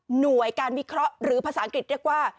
หน่วยการวิเคราะห์หรือภาษาอังกฤษเรียกว่า